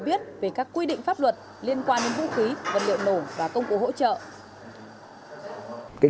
biết về các quy định pháp luật liên quan đến vũ khí vật liệu nổ và công cụ hỗ trợ